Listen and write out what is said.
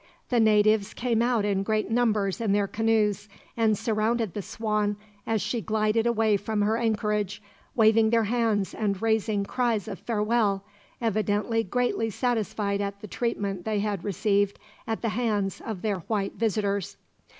The natives came out in great numbers in their canoes, and surrounded the Swan as she glided away from her anchorage, waving their hands and raising cries of farewell evidently greatly satisfied at the treatment they had received at the hands of their white visitors.